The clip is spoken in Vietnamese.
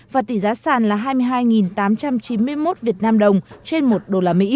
và tỷ giá sàn là hai mươi hai tám trăm chín mươi một vnđ trên một usd